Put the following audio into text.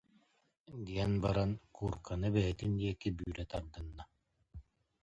диэн баран, куурканы бэйэтин диэки бүүрэ тардынна